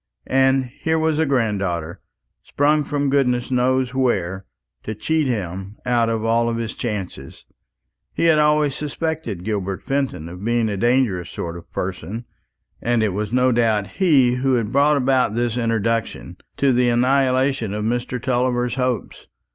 And here was a granddaughter, sprung from goodness knows where, to cheat him out of all his chances. He had always suspected Gilbert Fenton of being a dangerous sort of person, and it was no doubt he who had brought about this introduction, to the annihilation of Mr. Tulliver's hopes.